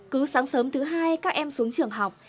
cứ sáng sớm thứ hai các em xuống trường học